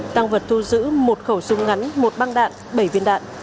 tăng vật thu giữ một khẩu súng ngắn một băng đạn bảy viên đạn